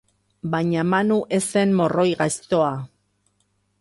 Baina Manu ez zen morroi gaiztoa.